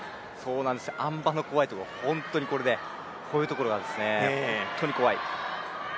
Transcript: あん馬の怖いところは本当にこれで、こういうところが本当に怖い。